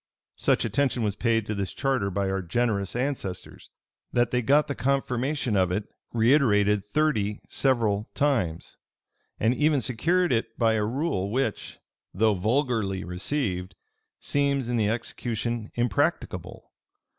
Such attention was paid to this charter by our generous ancestors, that they got the confirmation of it reiterated thirty several times; and even secured it by a rule which, though vulgarly received, seems in the execution impracticable.